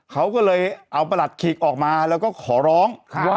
เขาก็เลยเอาประหลัดขีกออกมาแล้วก็ขอร้อง